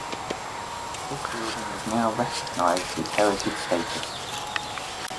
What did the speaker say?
This building is now recognized with heritage status.